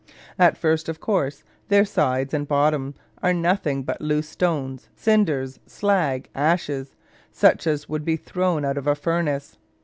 At first, of course, their sides and bottom are nothing but loose stones, cinders, slag, ashes, such as would be thrown out of a furnace.